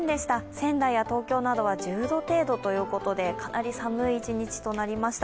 仙台や東京などは１０度程度ということで１０度程度ということでかなり寒い一日となりました。